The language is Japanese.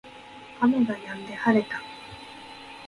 雨が止んで晴れた